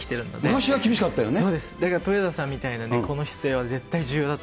昔は厳しかったよね。